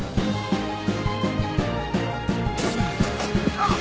あっ。